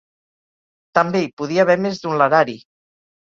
També hi podia haver més d'un larari.